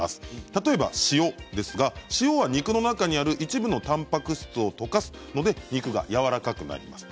例えば塩ですが肉の中にある一部のたんぱく質をとかすので肉がやわらかくなります。